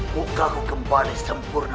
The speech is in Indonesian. bukaku kembali sempurna